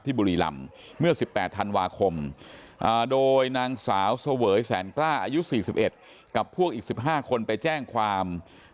บุรีลำเมื่อ๑๘ธันวาคมโดยนางสาวเสวยแสนกล้าอายุ๔๑กับพวกอีก๑๕คนไปแจ้งความ